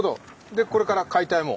でこれから解体も？